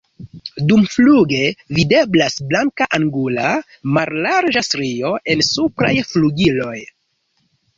Dumfluge videblas blanka angula mallarĝa strio en supraj flugiloj.